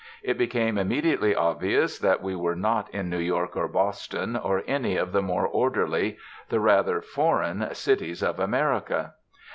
It became immediately obvious that we were not in New York or Boston or any of the more orderly, the rather foreign, cities of America.